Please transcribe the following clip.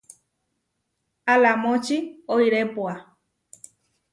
Alamóči oirépua.